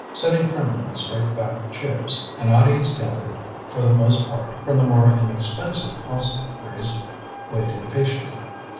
Sitting primly in straight backed chairs, an audience gathered for the most part from the more inexpensive hostelries waited patiently.